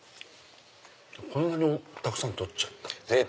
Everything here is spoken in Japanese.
こんなにたくさん取っちゃった。